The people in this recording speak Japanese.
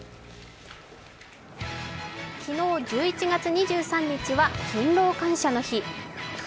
昨日１１月２３日は勤労感謝の日。